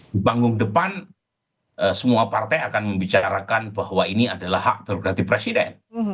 di panggung depan semua partai akan membicarakan bahwa ini adalah hak baru berarti presiden